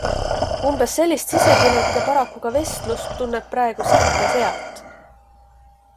Umbes sellist sisekõnet ja paraku ka vestlust tunneb praegu siit ja sealt.